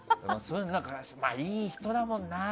いい人だもんな。